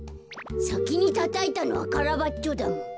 さきにたたいたのはカラバッチョだもん。